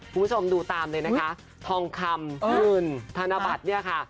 คุณผู้ชมดูตามเลยนะคะทองคำเงินธนบัตรเนี่ยค่ะ